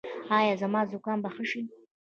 ایا زما زکام به ښه شي؟